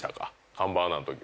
看板アナのとき。